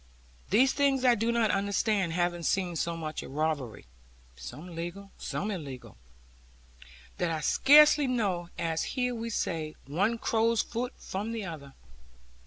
These things I do not understand; having seen so much of robbery (some legal, some illegal), that I scarcely know, as here we say, one crow's foot from the other.